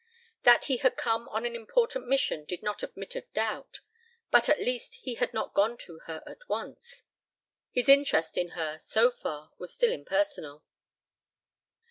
That he had come on an important mission did not admit of a doubt; but at least he had not gone to her at once. His interest in her, so far, was still impersonal.